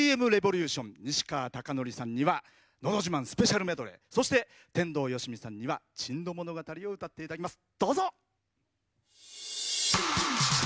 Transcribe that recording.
Ｔ．Ｍ．Ｒｅｖｏｌｕｔｉｏｎ西川貴教さんには「のど自慢スペシャルメドレー」そして、天童よしみさんには「珍島物語」を歌っていただきます。